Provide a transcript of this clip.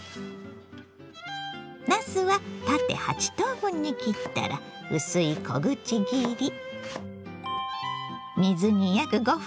なすは縦８等分に切ったら薄い小口切り。